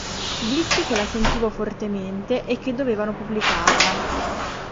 Dissi che la sentivo fortemente e che dovevano pubblicarla.